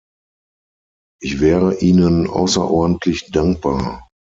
Ich wäre Ihnen außerordentlich dankbar.